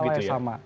masalah yang sama